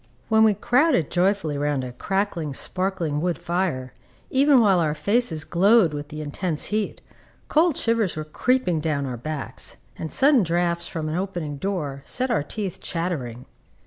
When we crowded joyfully round a crackling, sparkling wood fire, even while our faces glowed with the intense heat, cold shivers were creeping down our backs, and sudden draughts from an opening door set our teeth chattering.